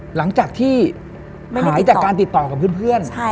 หลังจากที่หายจากการติดต่อกับเพื่อน